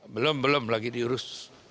belum belum lagi diurus